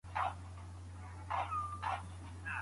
که پوهه عملي نسي نو ژر هیره کیږي.